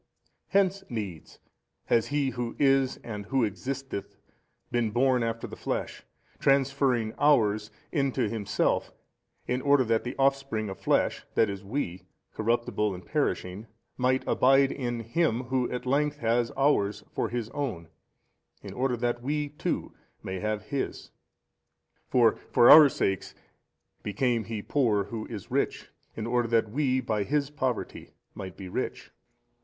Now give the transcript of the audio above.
Hence needs has He Who is and Who existeth been born after the flesh, transferring ours into Himself in order that the offspring of flesh, that is we, corruptible and perishing, might abide in Him Who at length has ours for His own in order that WE too may have His. For for our sakes became He poor who is Rich in order that WE by His Poverty might be rich.